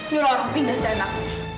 jualan orang pindah seenak